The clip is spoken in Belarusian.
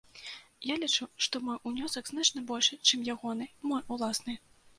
Я лічу, што мой унёсак значна большы, чым ягоны, мой уласны.